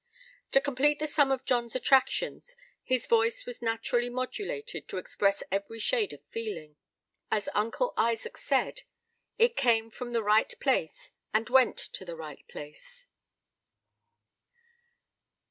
To complete the sum of John's attractions, his voice was naturally modulated to express every shade of feeling; as Uncle Isaac said, "it came from the right place, and went to the right place."